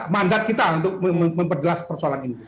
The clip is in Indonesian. mandat kita untuk memperjelas persoalan ini